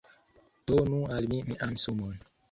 Donu al mi mian sumon!